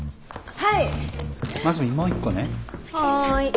はい。